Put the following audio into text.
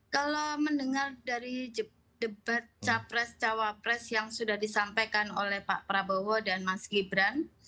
kalau mendengar dari debat capres cawapres yang sudah disampaikan oleh pak prabowo dan mas gibran